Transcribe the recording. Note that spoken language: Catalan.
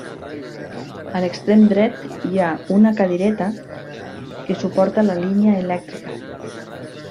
A l'extrem dret hi ha una cadireta que suporta la línia elèctrica.